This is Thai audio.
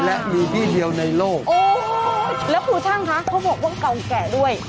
แล้วครูช่างคะเขาบอกว่าเฮิ้งเก่าแก่ด้วย